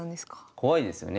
怖いですよね。